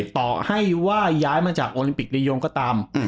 ต่อให้ว่าย้ายมาจากโอลิมปิกรียงก็ตาม